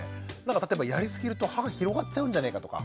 例えばやりすぎると歯が広がっちゃうんじゃねえかとか。